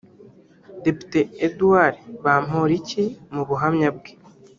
Depite Eduard Bamporiki mu buhamya bwe